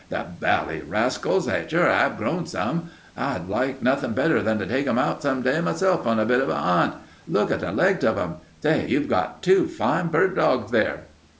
The bally rascals! They sure 'ave grown some. Hi'd like nothing better than to take 'em out some day myself on a bit of an 'unt. Look at the legs of 'em! Say, you've got two fine bird dogs there."